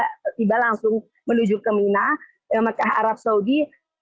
tiba tiba langsung menuju ke mina ke mekah arab saudi